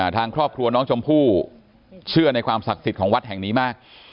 ทางครอบครัวน้องชมพู่เชื่อในความศักดิ์สิทธิ์ของวัดแห่งนี้มาก